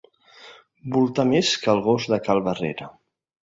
Voltar més que el gos de cal Barrera.